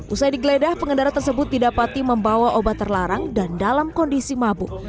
usai digeledah pengendara tersebut didapati membawa obat terlarang dan dalam kondisi mabuk